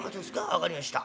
分かりました。